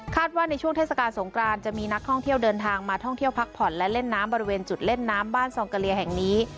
ว่าในช่วงเทศกาลสงกรานจะมีนักท่องเที่ยวเดินทางมาท่องเที่ยวพักผ่อนและเล่นน้ำบริเวณจุดเล่นน้ำบ้านซองกะเลียแห่งนี้